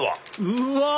うわ！